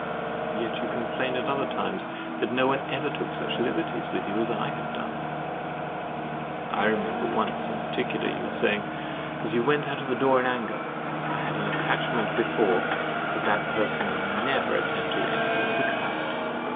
Yet you complain at other times that no one ever took such liberties with you as I have done. I remember once in particular your saying, as you went out at the door in anger—"I had an attachment before, but that person never attempted anything of the kind."